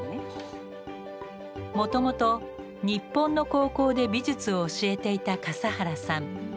もともと日本の高校で美術を教えていた笠原さん。